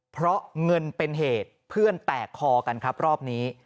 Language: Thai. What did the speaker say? เพราะเงินเป็นเหตุเพื่อนแตกคอกันครับรอบนี้